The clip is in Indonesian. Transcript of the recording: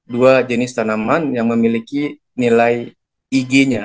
dua jenis tanaman yang memiliki nilai ig nya